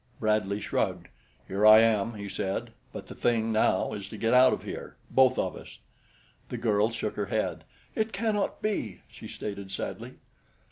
Bradley shrugged. "Here I am," he said; "but the thing now is to get out of here both of us." The girl shook her head. "It cannot be," she stated sadly.